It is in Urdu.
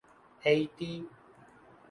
ہیتی